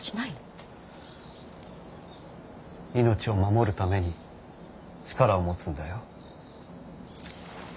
命を守るために力を持つんだよ。